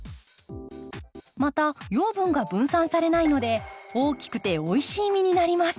また養分が分散されないので大きくておいしい実になります。